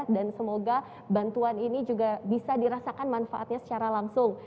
dan semoga bantuan ini juga bisa dirasakan manfaatnya secara langsung